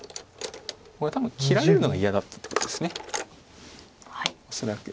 これ多分切られるのが嫌だったってことです恐らく。